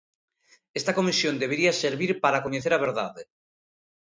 Esta comisión debería servir para coñecer a verdade.